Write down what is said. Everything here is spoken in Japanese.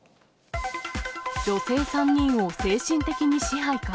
女性３人を精神的に支配か。